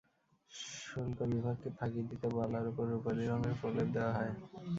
শুল্ক বিভাগকে ফাঁকি দিতে বালার ওপর রূপালি রঙের প্রলেপ দেওয়া হয়।